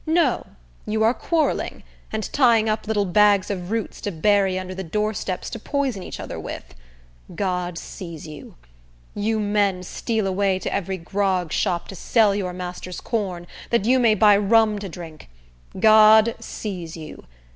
No; you are quarrelling, and tying up little bags of roots to bury under the doorsteps to poison each other with. God sees you. You men steal away to every grog shop to sell your master's corn, that you may buy rum to drink. God sees you.